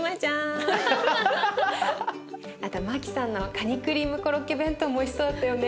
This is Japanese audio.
あとマキさんのカニクリームコロッケ弁当もおいしそうだったよね。